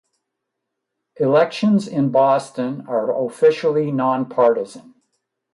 Elections in Boston are officially nonpartisan.